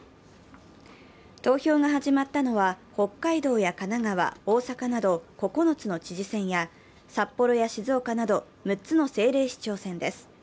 投票が始まったのは、北海道や神奈川、大阪など９つの知事選や札幌や静岡など６つの政令市長選です。